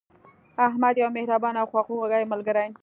احمد یو مهربانه او خواخوږی ملګری